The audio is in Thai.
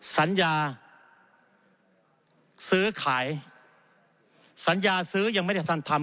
สัญญาซื้อขายสัญญาซื้อยังไม่ได้ท่านทำ